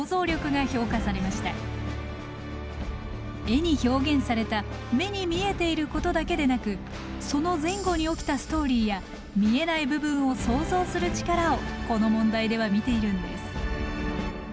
絵に表現された目に見えていることだけでなくその前後に起きたストーリーや見えない部分を想像する力をこの問題では見ているんです。